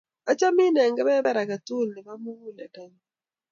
Achamin eng' kepeper ake tukul ap muguleldanyu.